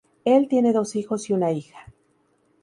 Él tiene dos hijos y una hija.